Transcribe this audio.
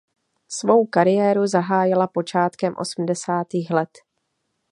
Svou kariéru zahájila počátkem osmdesátých let.